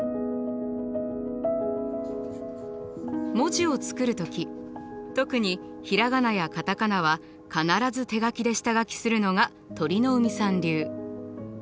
文字を作る時特に平仮名や片仮名は必ず手書きで下書きするのが鳥海さん流。